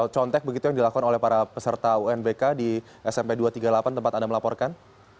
contek begitu yang dilakukan oleh para peserta unbk di smp dua ratus tiga puluh delapan tempat anda melaporkan